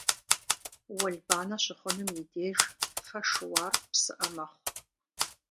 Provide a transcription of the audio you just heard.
Уэлбанэ щыхъунум и деж фэ шыуар псыӏэ мэхъу.